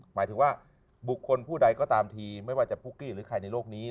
หมายถึงว่าบุคคลผู้ใดก็ตามทีไม่ว่าจะปุ๊กกี้หรือใครในโลกนี้